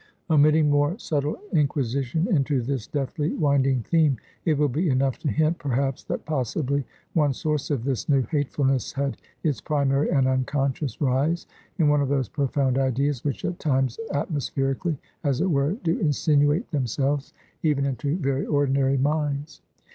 Omitting more subtile inquisition into this deftly winding theme, it will be enough to hint, perhaps, that possibly one source of this new hatefulness had its primary and unconscious rise in one of those profound ideas, which at times atmospherically, as it were, do insinuate themselves even into very ordinary minds.